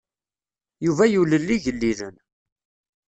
Yuba yulel igellilen.